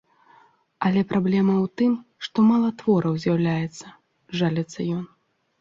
Але праблема ў тым, што мала твораў з'яўляецца, жаліцца ён.